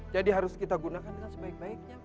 jadi harus kita gunakan dengan sebaik baiknya pak